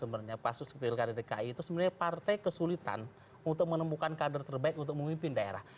maksudnya pasus kdki itu sebenarnya partai kesulitan untuk menemukan kader terbaik untuk memimpin daerah